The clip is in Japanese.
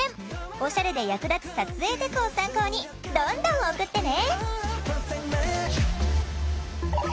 オシャレで役立つ撮影テク」を参考にどんどん送ってね！